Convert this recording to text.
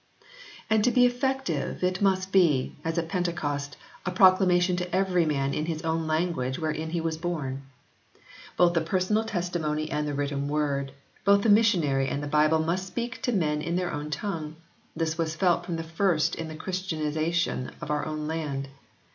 And to be effective it must be, as at Pentecost, a proclamation to every man in his own language wherein he was born. Both the personal testimony and the written word, both the missionary and the Bible must speak to men in their own tongue. This was felt from the first in the Christianisation of our own land.